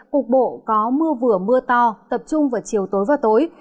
cục bộ có mưa vừa mưa to tập trung vào chiều tối và tối